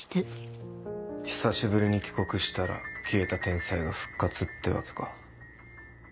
久しぶりに帰国したら消えた天才が復活ってわけか。